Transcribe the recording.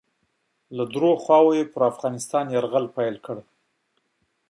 له دریو خواوو یې پر افغانستان یرغل پیل کړ.